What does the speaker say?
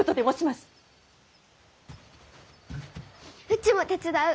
うちも手伝う。